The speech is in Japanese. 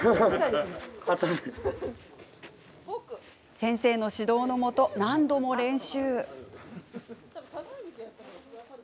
先生の指導のもと何度も練習。